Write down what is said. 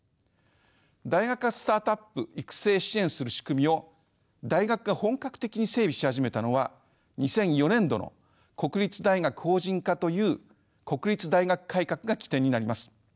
大学からスタートアップ育成支援する仕組みを大学が本格的に整備し始めたのは２００４年度の国立大学法人化という国立大学改革が起点になります。